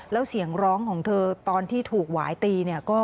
แล้วเสียงร้องของเธอตอนที่ถูกหวายตีเนี่ย